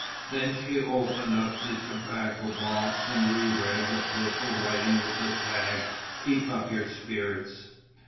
Then she opened the tobacco box and re read the purple writing with the tag "keep up your spirits."